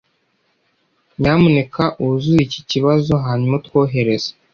Nyamuneka wuzuze iki kibazo hanyuma utwohereze.